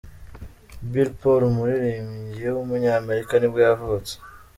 Billy Paul, umuririmbyi w’umunyamerika nibwo yavutse.